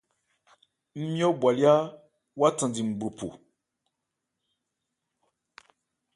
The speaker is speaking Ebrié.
Ńmyɔ́ bhwalyá wa thandi ngbophro.